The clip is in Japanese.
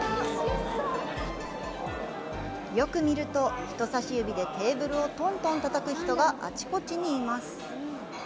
よく見ると、人差し指でテーブルをトントンたたく人があちこちにいます。